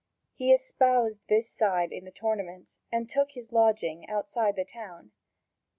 He espoused this side in the tournament, and took his lodging outside the town.